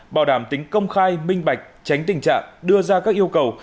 bảo đảm tính công khai minh bạch tránh tình trạng đưa ra các yêu cầu